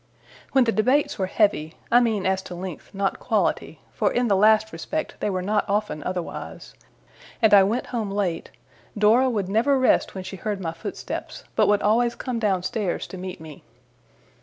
When the debates were heavy I mean as to length, not quality, for in the last respect they were not often otherwise and I went home late, Dora would never rest when she heard my footsteps, but would always come downstairs to meet me.